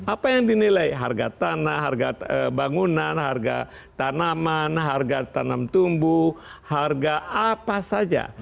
apa yang dinilai harga tanah harga bangunan harga tanaman harga tanam tumbuh harga apa saja